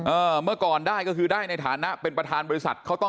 เมื่อก่อนได้ก็คือได้ในฐานะเป็นประธานบริษัทเขาต้อง